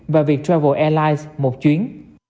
và viettravel airlines một chuyến